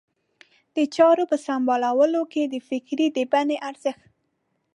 د چارو په سمبالولو کې د فکر د بڼې ارزښت.